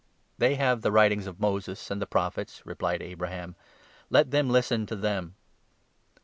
' They have the writings of Moses and the Prophets,' replied 29 Abraham ;' let them listen to them.'